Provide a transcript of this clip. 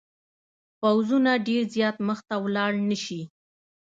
پوځونه ډېر زیات مخته ولاړ نه شي.